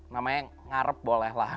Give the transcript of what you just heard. namanya ngarep boleh lah